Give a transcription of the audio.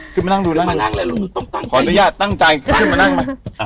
ขึ้นมานั่งดูขออนุญาตตั้งใจขึ้นมานั่งมา